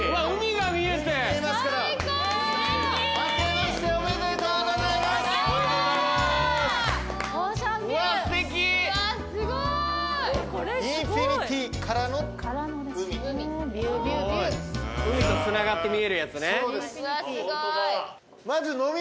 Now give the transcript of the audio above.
海とつながって見えるやつね。